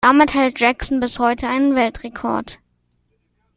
Damit hält Jackson bis heute einen Weltrekord.